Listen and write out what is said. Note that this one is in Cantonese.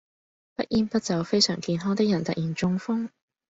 不煙不酒非常健康的人突然中風